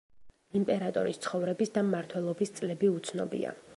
იმპერატორის ცხოვრების და მმართველობის წლები უცნობია.